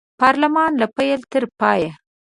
پارلمان له پیل تر پایه